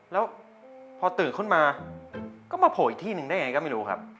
แล้วพอตื่นขึ้นมาก็มาโผล่อีกที่หนึ่งได้ไงก็ไม่รู้ครับ